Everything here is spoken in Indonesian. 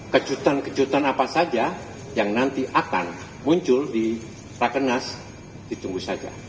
kejutan kejutan apa saja yang nanti akan muncul di rakenas ditunggu saja